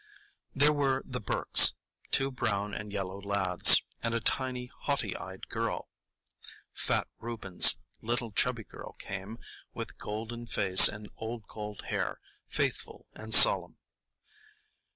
There were the Burkes,—two brown and yellow lads, and a tiny haughty eyed girl. Fat Reuben's little chubby girl came, with golden face and old gold hair, faithful and solemn.